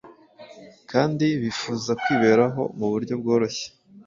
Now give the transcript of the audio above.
kandi bifuza kwiberaho mu buryo bworoshye.